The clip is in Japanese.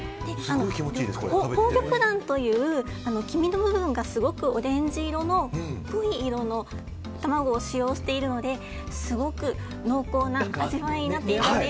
宝玉卵という黄身の部分がすごくオレンジ色の濃い色の卵を使用しているのですごく濃厚な味わいになっています。